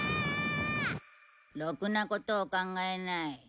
ろくなことを考えない。